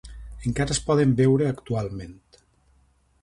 Encara es poden veure actualment.